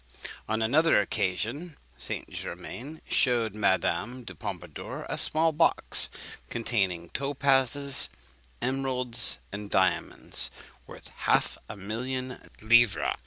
On another occasion St. Germain shewed Madame du Pompadour a small box, containing topazes, emeralds, and diamonds worth half a million of livres.